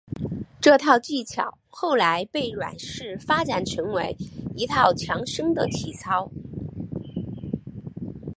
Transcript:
这套技巧后来被阮氏发展成为一套强身的体操。